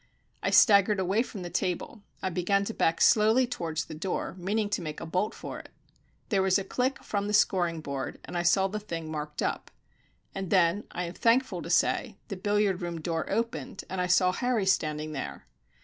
I staggered away from the table. I began to back slowly towards the door, meaning to make a bolt for it. There was a click from the scoring board, and I saw the thing marked up. And then I am thankful to say the billiard room door opened, and I saw Harry standing there.